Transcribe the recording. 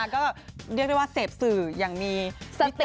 ก็เรียกได้ว่าเสพสื่ออย่างมีสติ